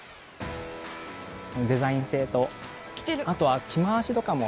このデザイン性とあとは着回しとかも。